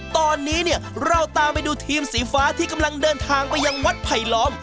ตอนนี้เนี่ยเราตามไปดูทีมสีฟ้าที่กำลังเดินทางไปยังวัดไผลล้อม